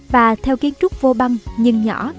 và theo kiến trúc vô băng nhưng nhỏ